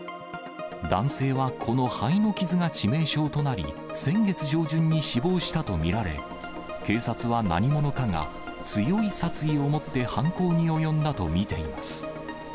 男性はこの肺の傷が致命傷となり、先月上旬に死亡したと見られ、警察は何者かが強い殺意を持って犯行に及んだと見ています。